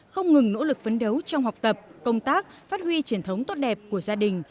không ngừng nỗ lực phấn đấu trong học tập công tác phát huy truyền thống tốt đẹp của gia đình